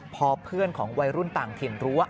พอเพื่อนของวัยรุ่นต่างถิ่นรู้ว่า